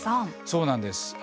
そうなんです。